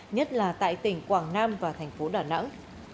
nhất là tại tỉnh quảng nam và thành phố đà nẵng